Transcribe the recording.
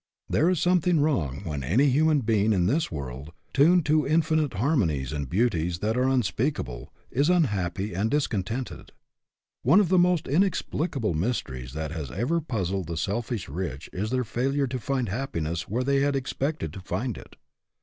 There is something wrong when any human being in this world, tuned to infinite harmonies and beauties that are unspeakable, is unhappy and discontented. One of the most inexplicable mysteries that has ever puzzled the selfish rich is their failure to find happiness where they had expected to find it.